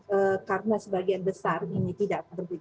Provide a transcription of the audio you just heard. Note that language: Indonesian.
tentunya karena sebagian besar ini tidak terbicara